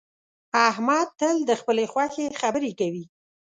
احمد تل د خپلې خوښې خبرې کوي